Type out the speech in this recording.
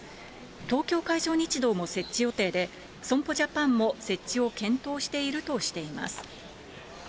東京海上日動も設置予定で、損保ジャパンも設置を検討しているとしています。